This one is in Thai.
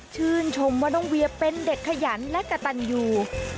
ชื่นชมว่าน้องเวียเป็นเด็กขยันและกระตันอยู่